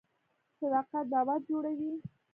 صداقت باور جوړوي